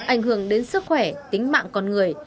ảnh hưởng đến sức khỏe tính mạng con người